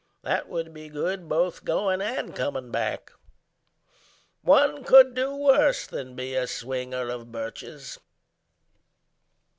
That would be good both going and coming back. One could do worse than be a swinger of birches.